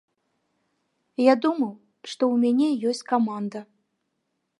Я думаў, што ў мяне ёсць каманда.